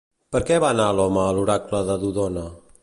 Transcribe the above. Per què va anar l'home a l'oracle de Dodona?